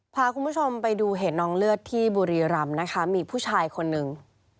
พาคุณผู้ชมไปดูเหตุน้องเลือดที่บุรีรำนะคะมีผู้ชายคนหนึ่ง